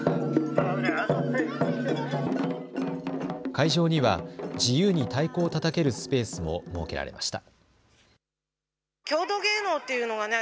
会場には自由に太鼓をたたけるスペースも設けられました。